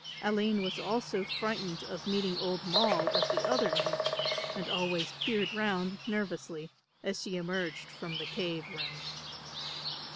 Aline was also frightened of meeting old Moll at the other end and always peered round nervously as she emerged from the cave room.